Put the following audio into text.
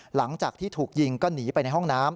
หลังจากที่ถูกยิงก็หนีไปในห้องน้ำ